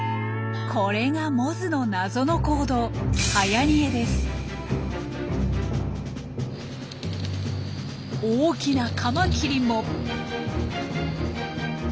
これがモズの謎の行動大きなカマキリも。